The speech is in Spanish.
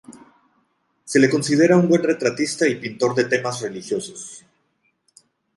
Se le considera un buen retratista y pintor de temas religiosos.